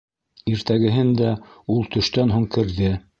Иртәгеһен дә ул төштән һуң керҙе.